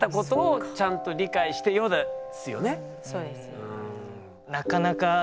そうです。